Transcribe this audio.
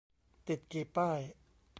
ติดกี่ป้าย ?